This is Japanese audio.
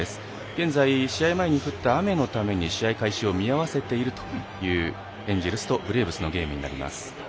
現在、試合前に降った雨のために試合開始を見合わせているというエンジェルスとブレーブスのゲームになります。